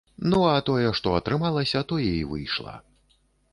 Ну, а тое што атрымалася, тое і выйшла.